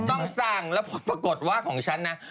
ต้องสั่งแล้วผลปรากฏว่าของฉันนะ